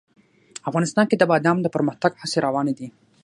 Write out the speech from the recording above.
افغانستان کې د بادام د پرمختګ هڅې روانې دي.